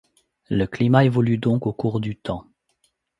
Le climat évolue donc au cours du temps.